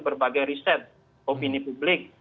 berbagai riset opini publik